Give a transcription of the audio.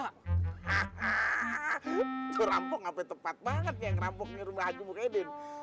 hahahaha lu rampok sampai tepat banget yang rampoknya rumah haji muhyiddin